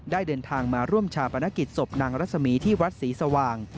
เดินทางมาร่วมชาปนกิจศพนางรัศมีที่วัดศรีสว่าง